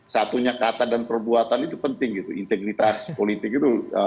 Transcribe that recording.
satunya kata dan perbuatan itu penting gitu integritas politik itu